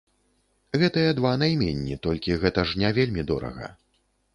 Гэтыя два найменні толькі, гэта ж не вельмі дорага.